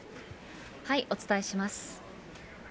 お伝えします。